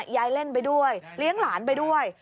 ยายเล่นไปด้วยเฉพาะล้นไปด้วย